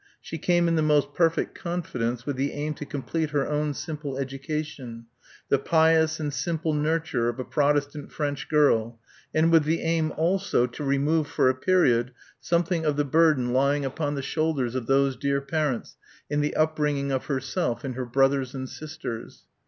She came in the most perfect confidence with the aim to complete her own simple education, the pious and simple nurture of a Protestant French girl, and with the aim also to remove for a period something of the burden lying upon the shoulders of those dear parents in the upbringing of herself and her brothers and sisters."